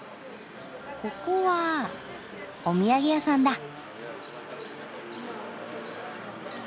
ここはお土産屋さんだ。